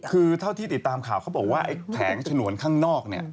คือเท่าที่ติดตามข่าวเขาบอกว่าไอ้แผงฉนวนข้างนอกเนี่ย